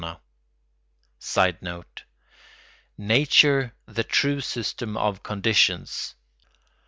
[Sidenote: Nature the true system of conditions.